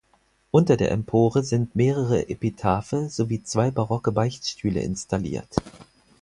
Unter der Empore sind mehrere Epitaphe sowie zwei barocke Beichtstühle installiert.